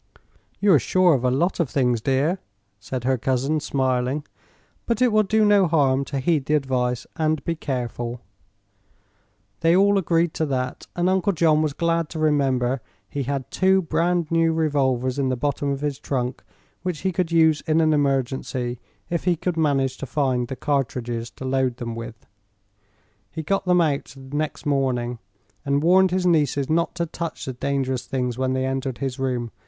"You are sure of a lot of things, dear," said her cousin, smiling. "But it will do no harm to heed the advice, and be careful." They all agreed to that, and Uncle John was glad to remember he had two brand new revolvers in the bottom of his trunk, which he could use in an emergency if he could manage to find the cartridges to load them with. He got them out next morning, and warned his nieces not to touch the dangerous things when they entered his room.